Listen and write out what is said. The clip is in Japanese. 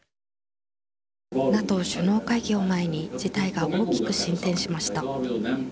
ＮＡＴＯ首脳会議を前に、事態が大きく進展しました。